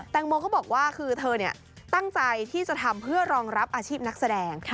โมก็บอกว่าคือเธอตั้งใจที่จะทำเพื่อรองรับอาชีพนักแสดง